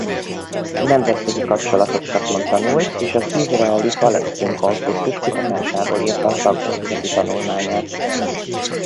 Nemzetközi kapcsolatok szakon tanult és az izraeli-palesztin konfliktus kutatásából írta a szakdolgozati tanulmányát.